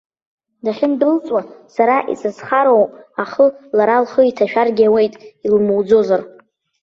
Дахьындәылҵуа сара исзырхоу ахы лара лхы иҭашәаргьы ауеит, илмуӡозар!